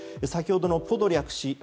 先ほどのポドリャク氏